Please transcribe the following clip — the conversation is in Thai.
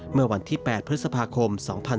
เมื่อวันที่๘พฤษภาคม๒๕๖๒